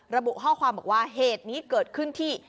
ระบุข้อความบอกว่าเหตุนี้เกิดขึ้นที่